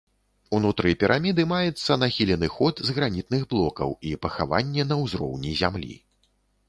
Унутры піраміды маецца нахілены ход з гранітных блокаў і пахаванне на ўзроўні зямлі.